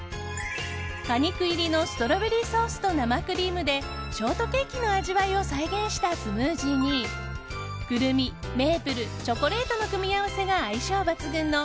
果肉入りのストロベリーソースと生クリームでショートケーキの味わいを再現したスムージーにクルミ、メープルチョコレートの組み合わせが相性抜群の